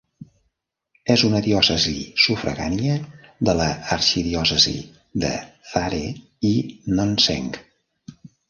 És una diòcesi sufragània de l'arxidiòcesi de Thare i Nonseng.